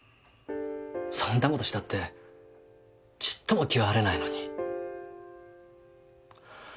そんな事したってちっとも気は晴れないのに。